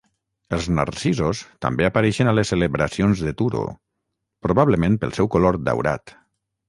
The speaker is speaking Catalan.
Els narcisos també apareixen a les celebracions de Turo, probablement pel seu color "daurat".